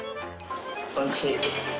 おいしい。